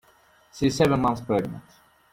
She is seven months pregnant.